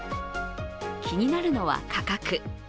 気になるのは価格。